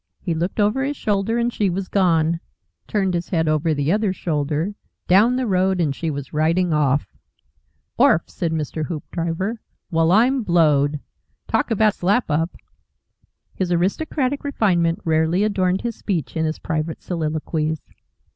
He looked over his shoulder, and she was gone, turned his head over the other shoulder down the road, and she was riding off. "ORF!" said Mr. Hoopdriver. "Well, I'm blowed! Talk about Slap Up!" (His aristocratic refinement rarely adorned his speech in his private soliloquies.)